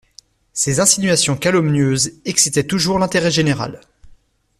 Ces insinuations calomnieuses excitaient toujours l'intérêt général.